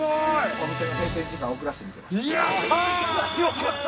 お店の閉店時間遅らせて観てました。